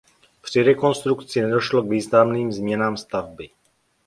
Při rekonstrukci nedošlo k významným změnám stavby.